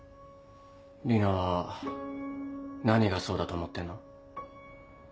里奈は何がそうだと思ってんの？